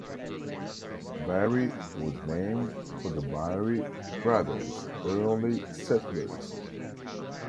Barry was named for the Barry brothers, early settlers.